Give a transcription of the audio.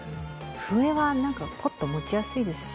笛は何かパッと持ちやすいですし。